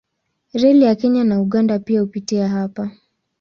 Reli ya Kenya na Uganda pia hupitia hapa.